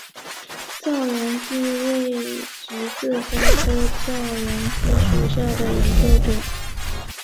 燥原荠为十字花科燥原荠属下的一个种。